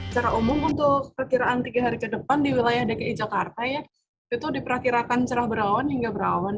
secara umum untuk perkiraan tiga hari ke depan di wilayah dki jakarta ya itu diperkirakan cerah berawan hingga berawan